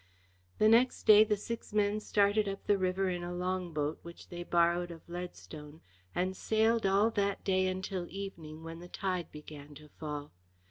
The next day the six men started up the river in a long boat which they borrowed of Leadstone, and sailed all that day until evening when the tide began to fall.